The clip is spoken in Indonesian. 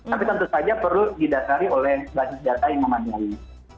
tapi tentu saja perlu didatari oleh basis data yang memandang ini